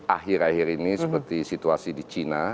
akhir akhir ini seperti situasi di cina